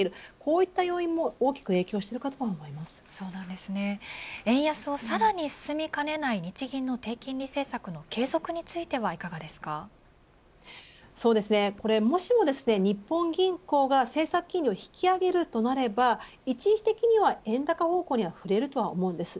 こういった要因も円安をさらに進めかねない日銀の低金利政策の継続についてはもしもですね、日本銀行が政策金利を引き上げるとなれば一時的には円高方向に振れると思います。